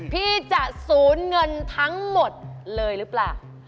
พี่จะสูญเงินทั้งหมดเลยหรือเปล่า